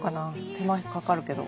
手間かかるけど。